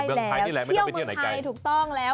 ใช่แล้วเที่ยวเมืองไทยถูกต้องแล้ว